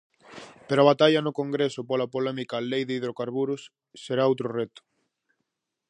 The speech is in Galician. Pero a batalla no Congreso pola polémica Lei de Hidrocarburos será outro reto.